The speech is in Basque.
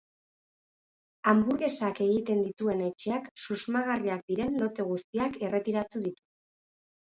Hanburgesak egiten dituen etxeak, susmagarriak diren lote guztiak erretiratu ditu.